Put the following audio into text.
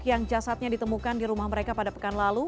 yang jasadnya ditemukan di rumah mereka pada pekan lalu